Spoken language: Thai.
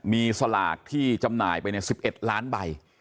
มีสลากที่จำหน่ายไป๑๑ล้านใบ